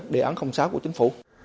để án không xá của chính phủ